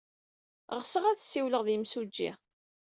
Ɣseɣ ad ssiwleɣ ed yimsujji.